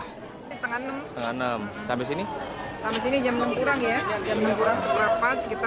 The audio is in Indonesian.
kita udah di jalanan tolong antrinya